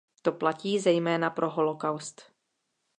To platí zejména pro holokaust.